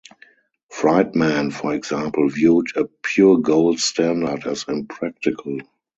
Friedman, for example, viewed a pure gold standard as impractical.